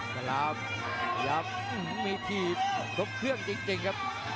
สลับสลับมีทีรบเครื่องจริงครับ